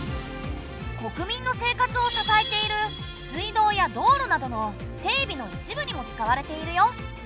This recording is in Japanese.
国民の生活を支えている水道や道路などの整備の一部にも使われているよ。